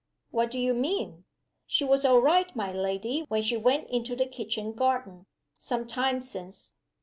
"What do you mean?" "She was all right, my lady, when she went into the kitchen garden, some time since.